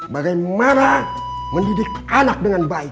bagaimana mendidik anak dengan baik